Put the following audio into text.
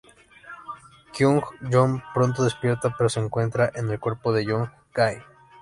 Kyung Joon pronto despierta, pero se encuentra en el cuerpo de Yoon Jae.